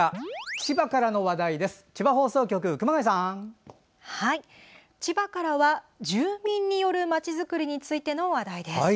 千葉からは、住民によるまちづくりについての話題です。